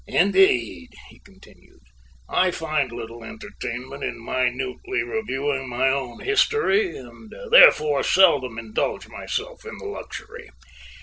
"Indeed," he continued, "I find little entertainment in minutely reviewing my own history and therefore seldom indulge myself in the luxury.